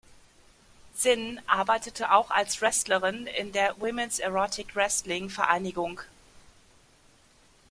Sin arbeitete auch als Wrestlerin in der „Women’s Erotic Wrestling“-Vereinigung.